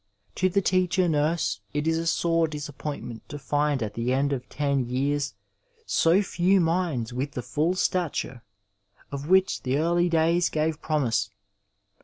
To the teacher nurse it is a sore disappointment to' find at the end of ten years so few minds with the full stature, of which the early days gave promise.